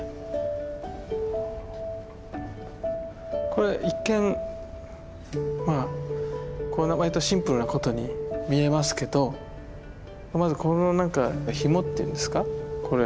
これ一見わりとシンプルな琴に見えますけどまずこの何か紐っていうんですかこれ。